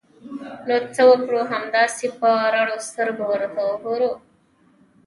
نو څه وکړو؟ همداسې په رډو سترګو ورته وګورو!